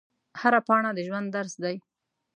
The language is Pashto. هره پاڼه د ژوند درس دی